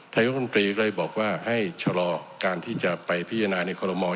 นายกรรมตรีก็เลยบอกว่าให้ชะลอการที่จะไปพิจารณาในคอลโม